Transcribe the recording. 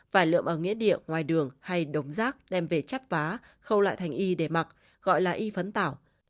vải lượm ở nghĩa địa ngoài đường hay đồng rác đem về chắp vá khâu lại thành y để mặc gọi là y phấn tảo